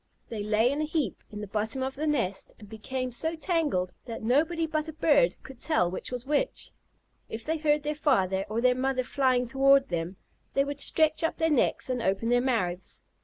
They lay in a heap in the bottom of the nest, and became so tangled that nobody but a bird could tell which was which. If they heard their father or their mother flying toward them, they would stretch up their necks and open their mouths.